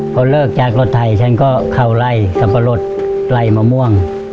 พอเลิกจากรถไทยฉันก็เข้าไล่สับปะรดไล่มะม่วง